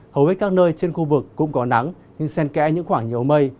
hầu hết các nơi trên khu vực cũng có nắng nhưng sen kẽ những khoảng nhiều mây